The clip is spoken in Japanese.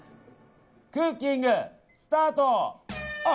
クッキングスタート！